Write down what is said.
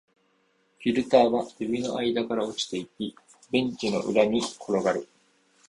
フィルターは指の間から落ちていき、ベンチの裏に転がる